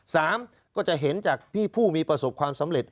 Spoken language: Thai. สามก็จะเห็นจากพี่ผู้มีประสบความสำเร็จ